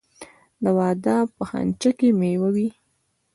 د واده په خنچه کې میوه وي.